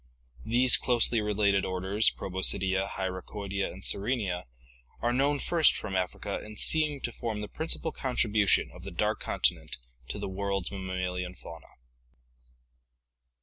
These closely related orders, Proboscidea, Hyracoidea, and Sirenia, are known first from Africa and seem to form the principal contribu tion of the Dark Continent to the world's mammalian fauna (see, however, page 593).